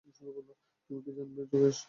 তুমি কি করে জানবে যোগেশ?